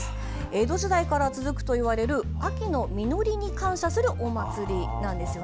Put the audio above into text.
江戸時代から続くといわれる秋の実りに感謝するお祭りです。